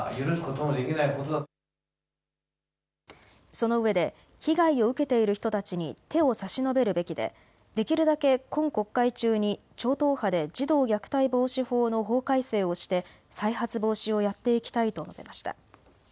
そのうえで被害を受けている人たちに手を差し伸べるべきでできるだけ今国会中に超党派で児童虐待防止法の法改正をして再発防止をやっていきたいと述べました。